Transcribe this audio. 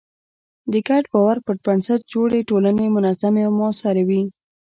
د ګډ باور پر بنسټ جوړې ټولنې منظمې او موثرې وي.